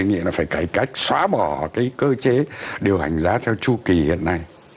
nghĩa là phải cải cách xóa bỏ cái cơ chế điều hành giá theo chu kỳ hiện nay